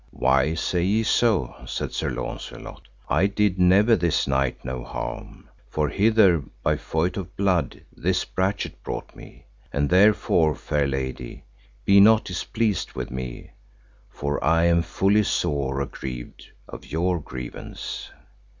Why say ye so? said Sir Launcelot, I did never this knight no harm, for hither by feute of blood this brachet brought me; and therefore, fair lady, be not displeased with me, for I am full sore aggrieved of your grievance.